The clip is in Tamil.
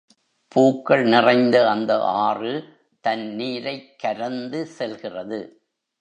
பூக்கள் நிறைந்த அந்த ஆறு தன் நீரைக் கரந்து செல்கிறது.